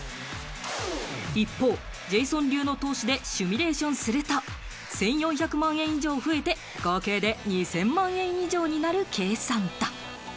一方、ジェイソン流の投資でシミュレーションすると１４００万円以上増えて、合計で２０００万円以上になる計算だ。